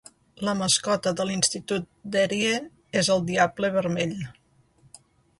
La mascota de l'institut d'Erie és el Diable Vermell.